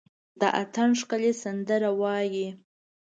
د اټن ښکلي سندره وايي،